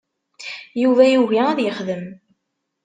Yuba yugi ad yexdem.